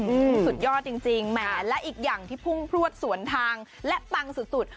สุดยอดจริงจริงแหมและอีกอย่างที่พุ่งพลวดสวนทางและปังสุดสุด